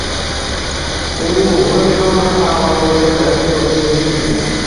তিনি মুঘল সম্রাট আওরঙ্গজেবের প্রতিনিধি ছিলেন।